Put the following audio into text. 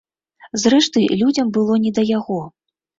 Зрэшты, людзям было не да яго.